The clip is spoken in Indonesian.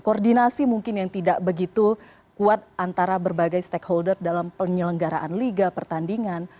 koordinasi mungkin yang tidak begitu kuat antara berbagai stakeholder dalam penyelenggaraan liga pertandingan